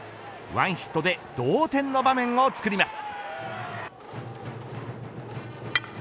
ワンヒットで同点の場面を作ります。